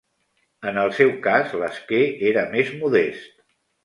En el seu cas, l'esquer era més modest.